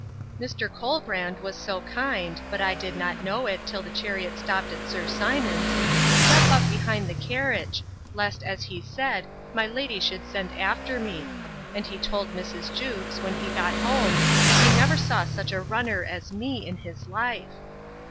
Mr. Colbrand was so kind, but I did not know it till the chariot stopped at Sir Simon's, to step up behind the carriage, lest, as he said, my lady should send after me; and he told Mrs. Jewkes, when he got home, that he never saw such a runner as me in his life.